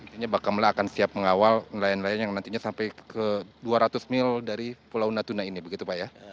intinya bakamla akan siap mengawal nelayan nelayan yang nantinya sampai ke dua ratus mil dari pulau natuna ini begitu pak ya